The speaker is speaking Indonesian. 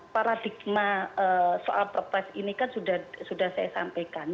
paradigma soal perpres ini kan sudah saya sampaikan